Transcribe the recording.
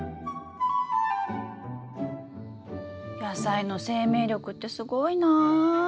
野菜の生命力ってすごいな！